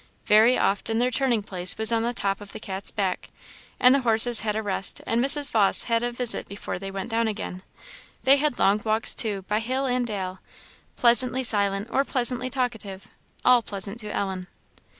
Very often their turning place was on the top of the Cat's Back, and the horses had a rest and Mrs. Vawse a visit before they went down again. They had long walks, too, by hill and dale; pleasantly silent or pleasantly talkative all pleasant to Ellen!